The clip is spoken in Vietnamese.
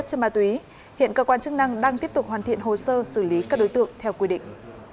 hiện cơ quan chức năng đang tiếp tục hoàn thiện hồ sơ xử lý các đối tượng theo quyết định